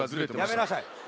やめなさい。